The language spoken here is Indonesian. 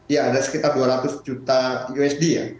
ya ada sekitar dua ratus juta usd ya